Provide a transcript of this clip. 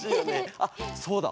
あっそうだ。